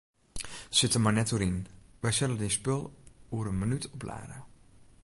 Sit der mar net oer yn, wy sille dyn spul oer in minút oplade.